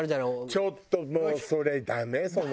ちょっともうそれ。